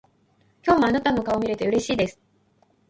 今日もあなたの顔を見れてうれしいです。